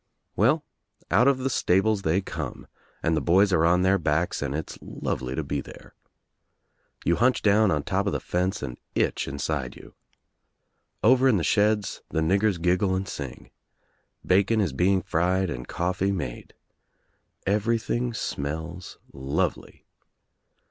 ^^L Well, out of the stables they come and the boys ^^■c on their backs and it's lovely to be there. You ^aunch down on top of the fence and itch inside you. Over in the sheds the niggers giggle and sing. Bacon _ is being fried and col?ee made. Everything smells lipvely.